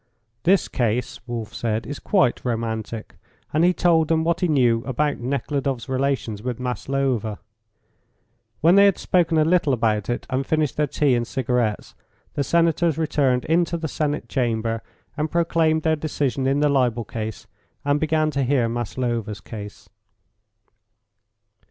"This case," Wolf said, "is quite romantic," and he told them what he knew about Nekhludoff's relations with Maslova. When they had spoken a little about it and finished their tea and cigarettes, the Senators returned into the Senate Chamber and proclaimed their decision in the libel case, and began to hear Maslova's case.